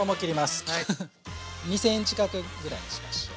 ２ｃｍ角ぐらいにしましょう。